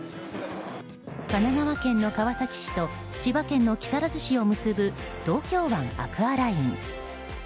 神奈川県の川崎市と千葉県の木更津市を結ぶ東京湾アクアライン。